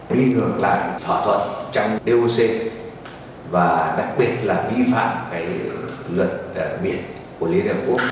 đi ngược lại thỏa thuận trong d o c và đặc biệt là vi phạm cái luật biệt của liên hợp quốc